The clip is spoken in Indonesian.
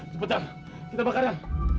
cepetan kita bakaran